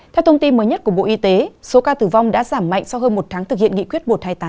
theo thông tin mới nhất của bộ y tế số ca tử vong đã giảm mạnh sau hơn một tháng thực hiện nghị quyết một trăm hai mươi tám